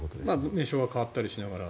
名称が変わったりしながら？